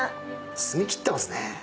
澄みきってますね。